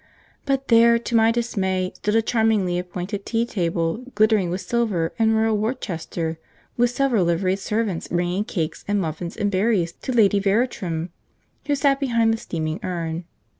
But there, to my dismay, stood a charmingly appointed tea table glittering with silver and Royal Worcester, with several liveried servants bringing cakes and muffins and berries to Lady Veratrum, who sat behind the steaming urn.